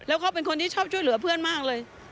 แล้วเขาเป็นคนที่ชอบช่วยเหลือเพื่อนมากเลย